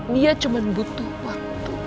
dia cuma butuh waktu